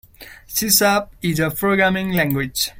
C Sharp is a programming language.